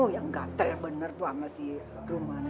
yang gatel bener tuh sama si rumana